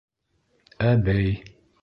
Әбей.